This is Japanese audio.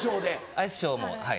アイスショーもはい。